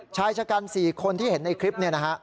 ชายชะกัน๔คนที่เห็นในคลิปนี้นะฮะ